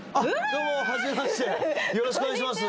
どうも初めましてよろしくお願いします